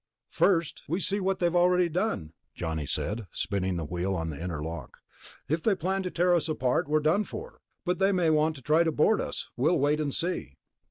"First, we see what they've already done," Johnny said, spinning the wheel on the inner lock. "If they plan to tear us apart, we're done for, but they may want to try to board us.... We'll wait and see."